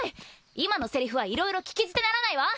今のセリフは色々聞き捨てならないわ！